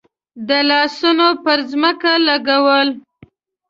ده لاسونه پر ځمکه ولګول.